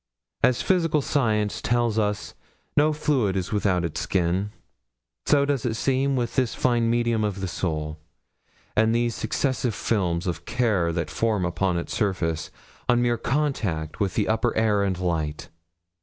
As physical science tells us no fluid is without its skin, so does it seem with this fine medium of the soul, and these successive films of care that form upon its surface on mere contact with the upper air and light.